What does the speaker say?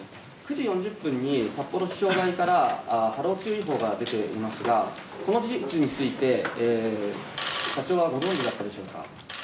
９時４０分に札幌気象台から波浪注意報が出ていますがその事実について社長はご存じだったんでしょうか？